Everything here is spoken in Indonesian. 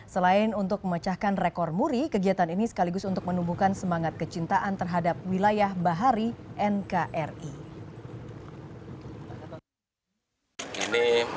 selain untuk memecahkan rekor muri kegiatan ini sekaligus untuk menumbuhkan semangat kecintaan terhadap wilayah bahari nkri